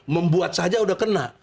membuat saja sudah kena